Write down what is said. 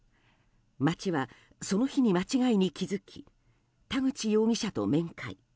町はその日に間違いに気づき田口容疑者と面会。